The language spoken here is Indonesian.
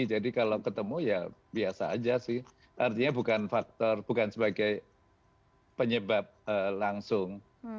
jadi kalau ketemu ya biasa aja sih artinya bukan faktor bukan sebagai penyebab langsung